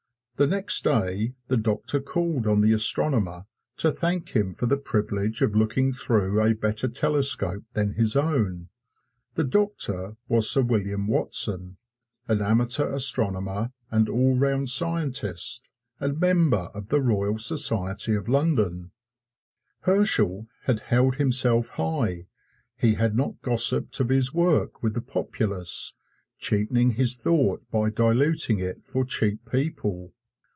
The next day the doctor called on the astronomer to thank him for the privilege of looking through a better telescope than his own. The doctor was Sir William Watson, an amateur astronomer and all round scientist, and member of the Royal Society of London. Herschel had held himself high he had not gossiped of his work with the populace, cheapening his thought by diluting it for cheap people.